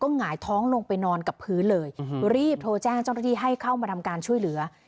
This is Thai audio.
หงายท้องลงไปนอนกับพื้นเลยรีบโทรแจ้งเจ้าหน้าที่ให้เข้ามาทำการช่วยเหลือ